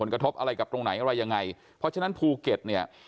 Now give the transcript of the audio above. กระทบอะไรกับตรงไหนอะไรยังไงเพราะฉะนั้นภูเก็ตเนี่ย